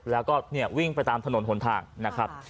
แล้วก็วิ่งไปตามถนนหนทางนะครับ